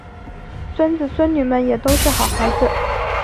孙子孙女们也都是好孩子